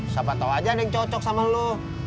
siapa tau aja ada yang cocok sama lo